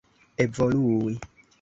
evolui